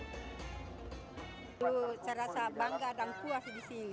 saya rasa bangga dan puas disini